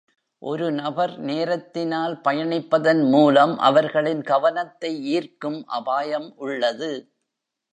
ஒரு நபர் நேரத்தினால் பயணிப்பதன் மூலம் அவர்களின் கவனத்தை ஈர்க்கும் அபாயம் உள்ளது.